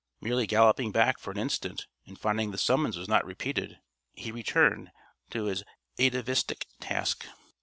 Merely galloping back for an instant, and finding the summons was not repeated, he returned to his atavistic task.